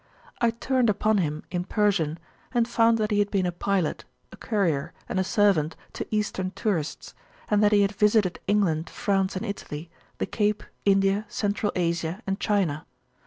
I turned upon him in Persian, and found that he had been a pilot, a courier, and a servant to Eastern tourists, and that he had visited England, France, and Italy, the Cape, India, Central Asia, and China.